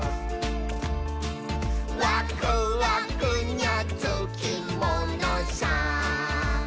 「ワクワクにゃつきものさ」